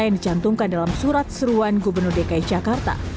yang dicantumkan dalam surat seruan gubernur dki jakarta